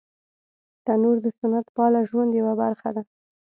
تنور د سنت پاله ژوند یوه برخه ده